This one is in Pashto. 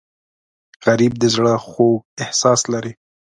غریب د زړه خوږ احساس لري